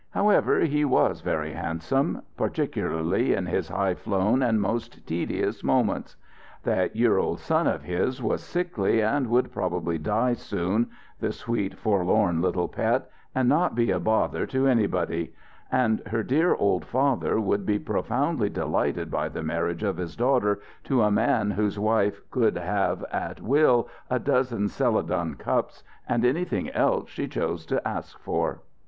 However, he was very handsome, particularly in his highflown and most tedious moments; that year old son of his was sickly and would probably die soon, the sweet, forlorn little pet, and not be a bother to anybody: and her dear old father would be profoundly delighted by the marriage of his daughter to a man whose wife could have at will a dozen céladon cups, and anything else she chose to ask for....